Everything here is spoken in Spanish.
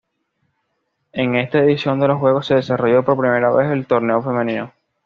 En esta edición de los juegos se desarrolló por primera vez el torneo femenino.